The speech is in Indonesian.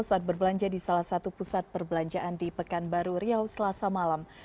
saat berbelanja di salah satu pusat perbelanjaan di pekanbaru riau selasa malam